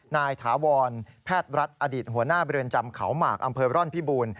นายถาวรแพทย์รัฐอดิตหัวหน้าบริเวณจำขาวหมากอำเภอร่อนพิบูรณ์